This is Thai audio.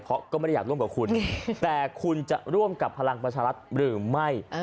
เพราะก็ไม่ได้อยากร่วมกับคุณแต่คุณจะร่วมกับพลังประชารัฐหรือไม่